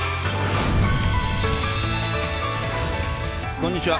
こんにちは。